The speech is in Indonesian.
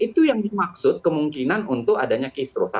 itu yang dimaksud kemungkinan untuk adanya kisro satu